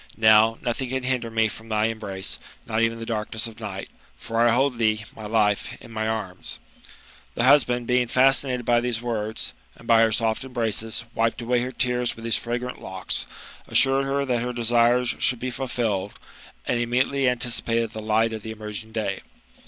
Now nothing can hinder me from thy embrace, not even the darkness of night, for I hold thee, my life, in my arms'*' The husband being fascinated by these words, and by her soft embraces, wiped away her tears with his fragrant locks, stssured her that her desires should be fulfilled, and immediately anticipated the light of the emerging day.